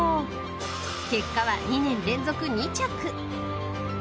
［結果は２年連続２着］